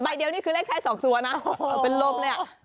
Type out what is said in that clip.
ใบเดียวนี่คือเลขไทย๒สัวนะเป็นล้มเลย